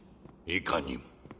いかにも。